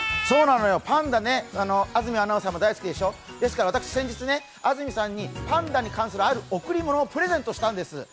そうなのよ、パンダね、安住アナウンサーも大好きでしょ、ですから私先日、安住さんにパンダに関するある贈り物をプレゼントしたんです。